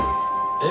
えっ？